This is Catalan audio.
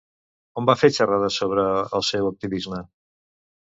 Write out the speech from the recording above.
On va fer xerrades sobre el seu activisme?